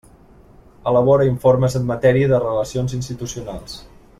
Elabora informes en matèria de relacions institucionals.